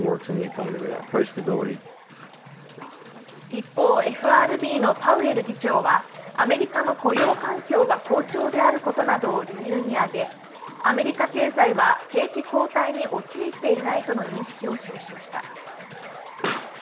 一方、ＦＲＢのパウエル議長はアメリカの雇用環境が好調であることなどを理由に挙げアメリカ経済は景気後退に陥っていないとの認識を示しました。